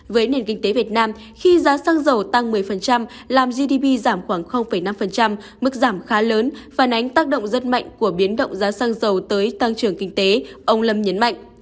với nền kinh tế việt nam khi giá xăng dầu tăng một mươi làm gdp giảm khoảng năm mức giảm khá lớn phản ánh tác động rất mạnh của biến động giá xăng dầu tới tăng trưởng kinh tế ông lâm nhấn mạnh